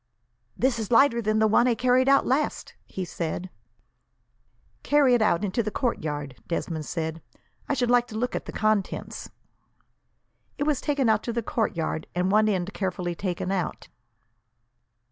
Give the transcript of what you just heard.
"This is lighter than the one I carried out last!" he said. "Carry it out into the courtyard," Desmond said. "I should like to look at the contents." It was taken out to the courtyard, and one end carefully taken out.